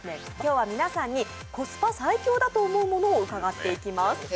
今日は皆さんにコスパ最強だと思うものを伺っていきます